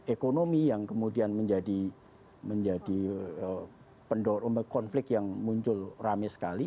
ekonomi yang kemudian menjadi pendorong konflik yang muncul rame sekali